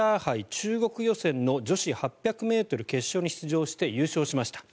中国予選の女子８００ｍ決勝に出場して優勝しました。